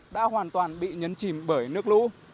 đã hoàn toàn bị nhấn chìm bởi nước lũ